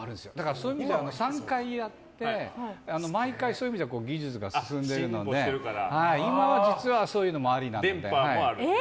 そういう意味では３回行って毎回技術が進んでいるので今は実はそういうのもありなので。